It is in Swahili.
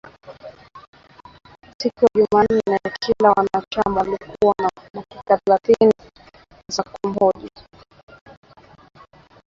Siku ya jumanne kila mwanachama alikuwa na dakika thelathini za kumhoji